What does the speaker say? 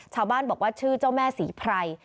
ชาวบ้านบอกว่าชื่อเจ้าแม่ศรีไพร